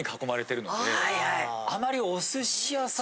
あまり。